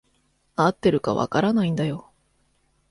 合ってるか分からないんだよ。